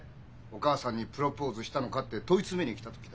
「お母さんにプロポーズしたのか」って問い詰めに来た時だよ。